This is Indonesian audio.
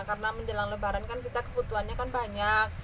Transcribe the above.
karena menjelang lebaran kan kita kebutuhannya kan banyak